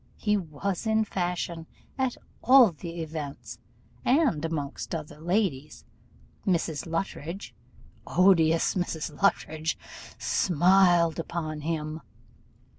He was in fashion, at all events; and amongst other ladies, Mrs. Luttridge, odious Mrs. Luttridge! smiled upon him.